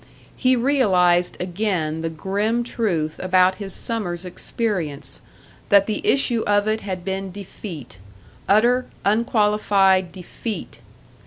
He realised again the grim truth about his summer's experience that the issue of it had been defeat. Utter, unqualified defeat!